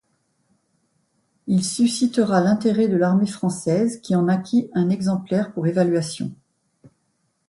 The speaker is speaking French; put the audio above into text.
Il suscitera l'intérêt de l'armée française qui en acquit un exemplaire pour évaluation.